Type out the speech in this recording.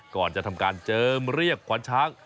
ก่อนจะทำการเจิมเรียกขวานช้าง